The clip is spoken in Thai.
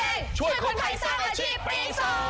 เบาเด่งช่วยคนไทยสร้างอชีพปี๒